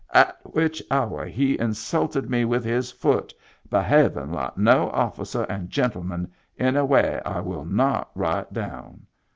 at witch hour he insulted me with his foot behaiving like no officer and gentleman in a way I will not rite down.